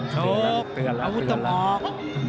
โชคอาวุธต้องออก